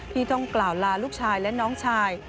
ที่ต้องกล่าวลาลูกชายและน้องชาย